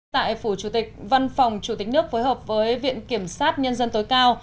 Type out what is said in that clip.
tại phủ chủ tịch văn phòng chủ tịch nước phối hợp với viện kiểm sát nhân dân tối cao